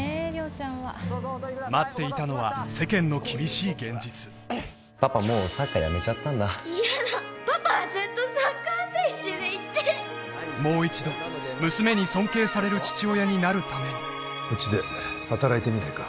亮ちゃんは待っていたのはパパもうサッカーやめちゃったんだ嫌だパパはずっとサッカー選手でいてもう一度娘に尊敬される父親になるためにうちで働いてみないか？